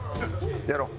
やろう。